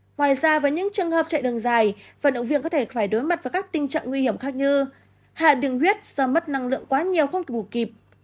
ngoài ra với những trường hợp chạy đường dài vận động viên có thể phải đối mặt với các tình trạng nguy hiểm khác như hạ đường huyết do mất năng lượng quá nhiều không ngủ kịp